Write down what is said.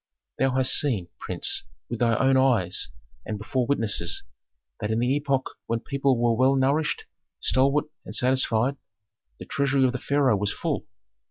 "Thou hast seen, prince, with thy own eyes and before witnesses, that in the epoch when people were well nourished, stalwart, and satisfied, the treasury of the pharaoh was full.